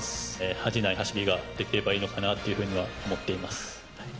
恥じない走りができればいいのかなというふうには思っています。